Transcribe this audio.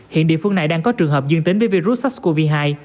hiện địa phương này đang có trường hợp dương tính với virus sars cov hai